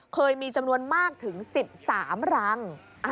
เคยมีจำนวนมากถึง๑๓รัง